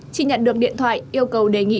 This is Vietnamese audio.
chị nhận được điện thoại yêu cầu đề nghị